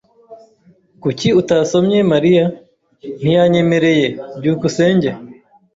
"Kuki utasomye Mariya?" "Ntiyanyemereye." byukusenge